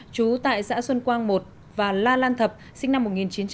chú tại xã xuân quang i và la lan thập sinh năm một nghìn chín trăm tám mươi năm